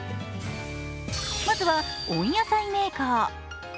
まずは温野菜メーカー。